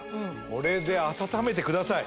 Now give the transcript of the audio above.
これで温めてください